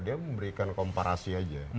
dia memberikan komparasi aja